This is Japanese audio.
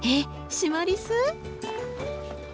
シマリス？